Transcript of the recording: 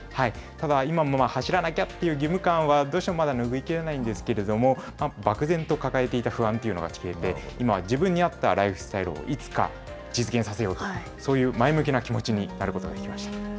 ただ、今も走らなきゃという義務感はどうしてもまだ拭いきれないんですけれども、漠然と抱えていた不安というのが消えて、今は自分に合ったライフスタイルをいつか実現させようと、そういう前向きな気持ちになることができました。